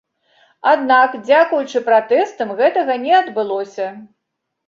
Аднак дзякуючы пратэстам гэтага не адбылося.